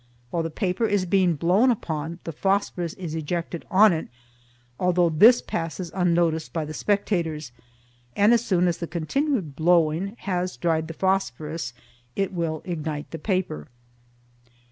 While the paper is being blown upon the phosphorus is ejected on it, although this passes unnoticed by the spectators, and as soon as the continued blowing has dried the phosphorus it will ignite the paper.